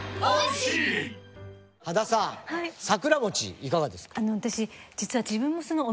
羽田さん桜餅いかがですか？